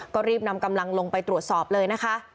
ก็รีบนำกำลังลงไปตรวจสอบเลยนะคะ